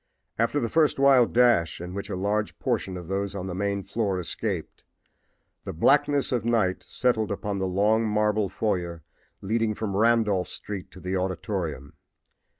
After the first wild dash, in which a large portion of those on the main floor escaped, the blackness of night settled upon the long marble foyer leading from Randolph street to the auditorium.